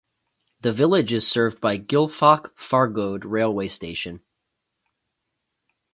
The village is served by Gilfach Fargoed railway station.